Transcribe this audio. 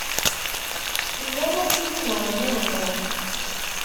Iwala tiliẓri iḍelli.